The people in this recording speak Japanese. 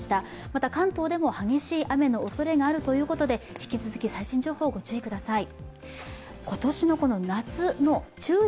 また関東でも激しい雨のおそれがあるということで引き続き、最新情報にご注意ください。